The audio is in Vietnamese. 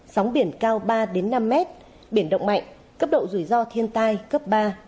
sóng biển cao ba năm mét biển động mạnh cấp độ rủi ro thiên tai cấp ba